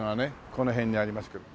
この辺にありますけど。